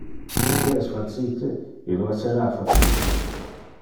E que es facite, illo essera facite.